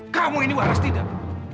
kamu ini waras tidak